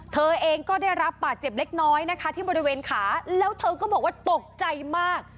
เธอเองก็ได้รับบาดเจ็บเล็กน้อยนะคะที่บริเวณขาแล้วเธอก็บอกว่าตกใจมาก